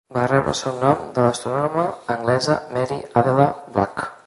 Va rebre el seu nom de l'astrònoma anglesa Mary Adela Blagg.